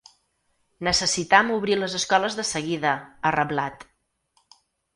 Necessitam obrir les escoles de seguida, ha reblat.